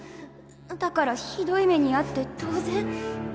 だからひどい目にあって当然？